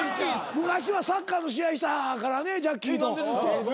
昔はサッカーの試合したからねジャッキーと。何でですか？